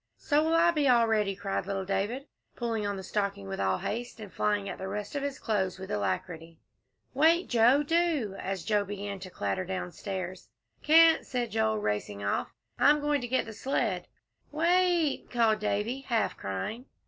"So will I be all ready," cried little David, pulling on the stocking with all haste, and flying at the rest of his clothes with alacrity. "Wait, Joe do," as Joel began to clatter downstairs. "Can't," said Joel, racing off, "I'm going to get the sled." "Wa it," called Davie, half crying.